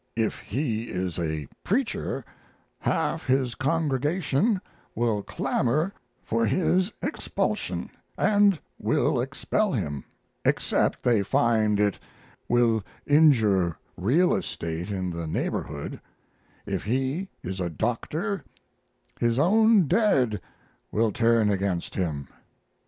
If he is a preacher half his congregation will clamor for his expulsion and will expel him, except they find it will injure real estate in the neighborhood; if he is a doctor his own dead will turn against him.